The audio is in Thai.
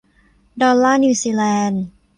ดอลลาร์นิวซีแลนด์